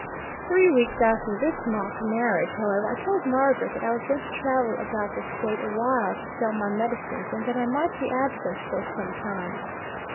Three weeks after this mock marriage, however, I told Margaret that I was going to travel about the State a while to sell my medicines, and that I might be absent for some time.